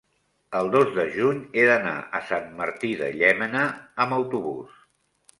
el dos de juny he d'anar a Sant Martí de Llémena amb autobús.